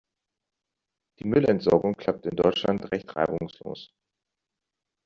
Die Müllentsorgung klappt in Deutschland recht reibungslos.